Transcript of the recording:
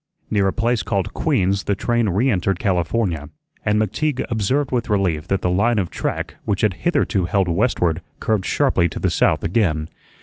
Near a place called Queen's the train reentered California, and McTeague observed with relief that the line of track which had hitherto held westward curved sharply to the south again.